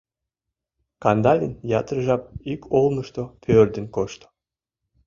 Кандалин ятыр жап ик олмышто пӧрдын кошто.